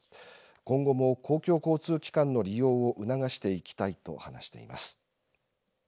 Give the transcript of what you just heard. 今後も公共交通機関の利用を促していきたいと話しています。